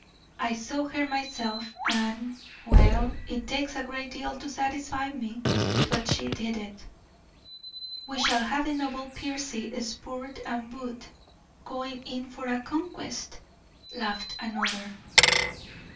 I saw her myself, and well, it takes a great deal to satisfy me, but she did it." "We shall have the noble Piercy, spurred and booted, going in for a conquest," laughed another.